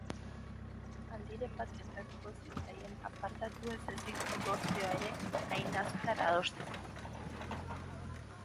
Handiren bat gertatuko zitzaien apartatu ez ezik dibortzioa ere hain azkar adosteko.